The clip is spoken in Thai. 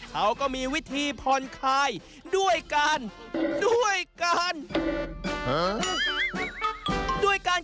เขาก็มีวิธีพรขายด้วยการ